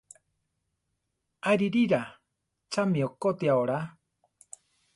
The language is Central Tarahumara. Aririra! chami okotia olá.